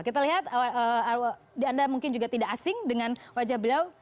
kita lihat anda mungkin juga tidak asing dengan wajah beliau